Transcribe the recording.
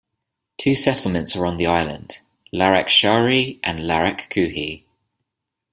Two settlements are on the island: Larak Shahri and Larak Kuhi.